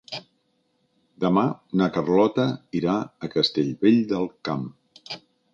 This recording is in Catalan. Demà na Carlota irà a Castellvell del Camp.